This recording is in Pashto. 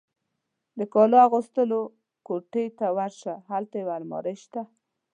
د کالو اغوستلو کوټې ته ورشه، هلته یو المارۍ شته.